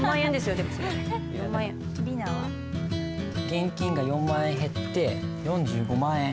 現金が４万円減って４５万円。